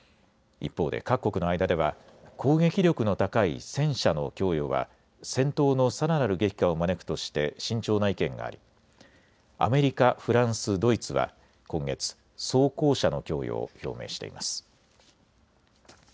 一方で各国の間では攻撃力の高い戦車の供与は戦闘のさらなる激化を招くとして慎重な意見がありアメリカ、フランス、ドイツは今月、装甲車の供与を表明しています。